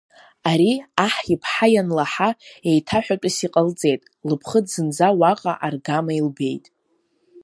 Ари аҳ иԥҳа ианлаҳа, еиҭаҳәатәыс иҟалҵеит, лыԥхыӡ зынӡа уаҟа аргама илбеит.